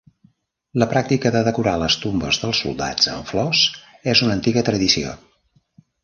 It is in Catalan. La pràctica de decorar les tombes dels soldats amb flors és una antiga tradició.